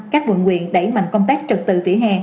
các quận nguyện đẩy mạnh công tác trực tự vỉa hè